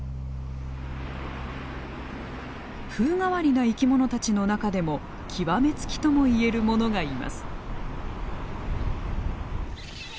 風変わりな生き物たちの中でも極め付きとも言えるものがいます。